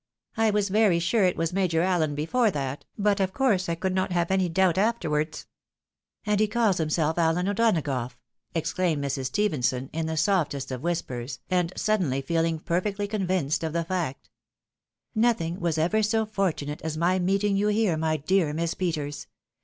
I was very sure it was Major Allen before that, but I could not have any doubt afterwards." " And he calls himself Allen O'Donagough !" exclaimed Mrs. Stephenson in the softest of whispers, and suddenly feeling perfectly convinced of the fact. "Nothing was ever so for tunate as my meeting you here, my dear Miss Peters.